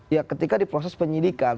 ya ketika di proses penyidikan